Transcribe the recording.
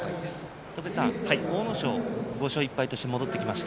阿武咲、５勝１敗として戻ってきました。